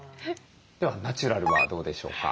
ではナチュラルはどうでしょうか？